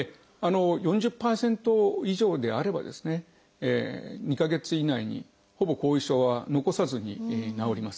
４０％以上であれば２か月以内にほぼ後遺症は残さずに治ります。